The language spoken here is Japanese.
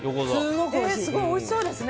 すごいおいしそうですね。